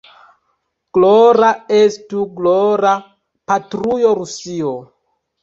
Glora estu, glora, patrujo Rusio!